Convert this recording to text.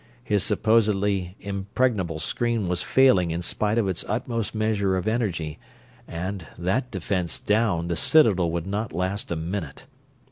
His supposedly impregnable screen was failing in spite of its utmost measure of energy, and, that defense down, the citadel would not last a minute.